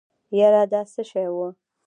يره دا څه شی و.